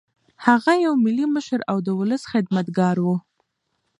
هغه یو ملي مشر او د ولس خدمتګار و.